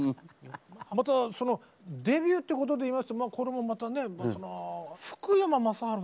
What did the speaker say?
またそのデビューってことで言いますとこれもまたね